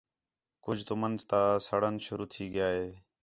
کُج تُمن تا سڑݨ شروع تھی ڳِیا ہِے